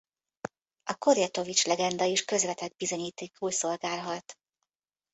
A Korjatovics-legenda is közvetett bizonyítékul szolgálhat.